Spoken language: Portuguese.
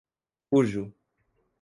cujo